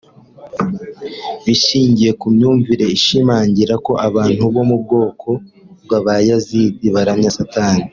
bishingiye ku myumvire ishimangira ko abantu bo mu bwoko bw’ Abayazidi baramya Satani